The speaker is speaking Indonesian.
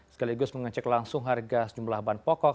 sekaligus mengecek langsung harga jumlah ban pokok